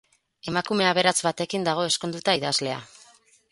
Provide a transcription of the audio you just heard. Emakume aberats batekin dago ezkonduta idazlea.